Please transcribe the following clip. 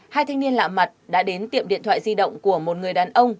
hai thanh niên lạ mặt đã đến tiệm điện thoại di động của một người đàn ông